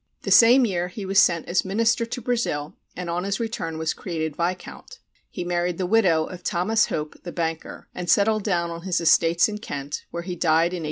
The same year he was sent as minister to Brazil, and on his return was created viscount. He married the widow of Thomas Hope the banker, and settled down on his estates in Kent, where he died in 1854.